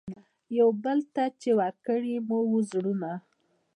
یوه بل ته چي ورکړي مو وه زړونه